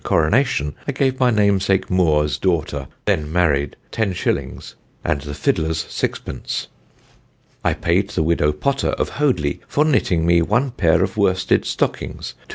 coronation I gave my namesake Moore's daughter then marryed 10_s._ and the fiddlers 6_d._ "I payed the Widow Potter of Hoadleigh for knitting mee one payr of worsted stockings 2_s.